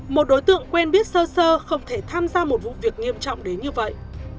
một đối tượng quen biết sơ sơ không thể tham gia một vụ việc nghiêm trọng đến như vậy